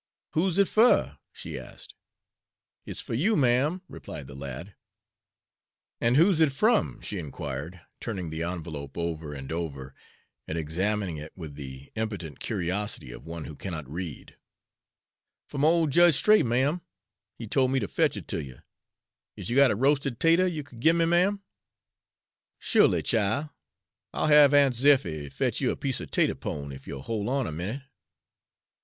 "Who's it fur?" she asked. "It's fuh you, ma'm," replied the lad. "An' who's it from?" she inquired, turning the envelope over and over, and examining it with the impotent curiosity of one who cannot read. "F'm ole Jedge Straight, ma'm. He tole me ter fetch it ter you. Is you got a roasted 'tater you could gimme, ma'm?" "Shorely, chile. I'll have Aunt Zilphy fetch you a piece of 'tater pone, if you'll hol' on a minute."